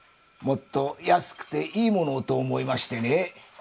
もっと安くていいものをと思いましてね。